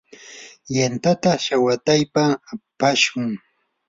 yantata shawataypa apashun.